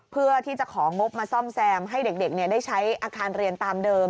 เพื่อที่จะของงบมาซ่อมแซมให้เด็กได้ใช้อาคารเรียนตามเดิม